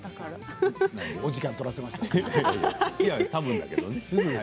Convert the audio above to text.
お時間取らせました。